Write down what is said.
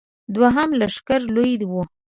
دوهم لښکر لوی و.